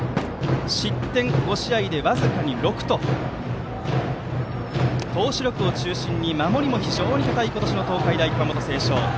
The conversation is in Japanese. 失点は５試合で僅かに６と投手力を中心に守りも非常に堅い今年の東海大熊本星翔。